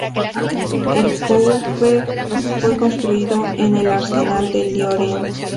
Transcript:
El "Courbet" fue construido en el Arsenal de Lorient.